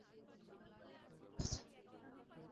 তুমি কিফকে হত্যা করবে, তাই না?